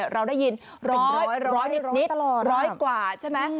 เราได้ยินร้อยกว่าใช่ไหม